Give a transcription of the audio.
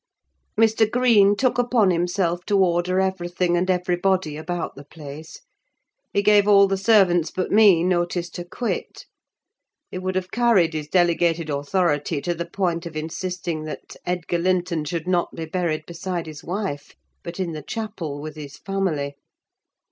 Mr. Green took upon himself to order everything and everybody about the place. He gave all the servants but me, notice to quit. He would have carried his delegated authority to the point of insisting that Edgar Linton should not be buried beside his wife, but in the chapel, with his family.